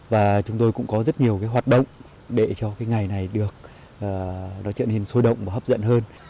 và chúng tôi cũng có rất nhiều hoạt động để cho ngày này trở nên sôi động và hấp dẫn hơn